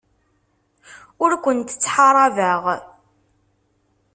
Ur kent-ttḥaṛabeɣ.